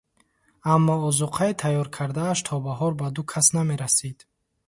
Аммо озуқаи тайёркардааш то баҳор ба ду кас намерасид.